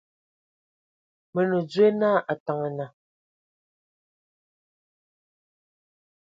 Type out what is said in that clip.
Mə nə dzwe na Ataŋga.